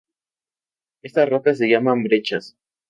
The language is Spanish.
Estas rocas se llaman brechas.